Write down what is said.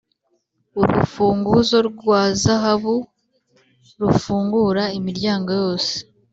urufunguzo rwa zahabu rufungura imiryango yose